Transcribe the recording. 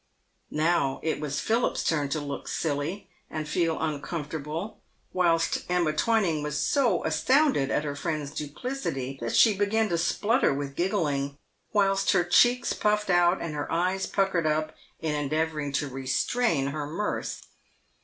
" JSTow it was Philip's turn to look silly, and feel uncomfortable, whilst Emma Twining was so astounded at her friend's duplicity, that she began to splutter with giggling, whilst her cheeks puffed out, and her eyes puckered up, in endeavouring to restrain her mirth.